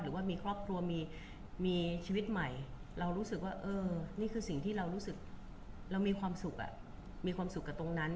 หรือว่ามีครอบครัวมีชีวิตใหม่เรารู้สึกว่าเออนี่คือสิ่งที่เรารู้สึกเรามีความสุขมีความสุขกับตรงนั้น